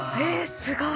すごい。